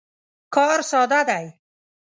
کار ساده دی.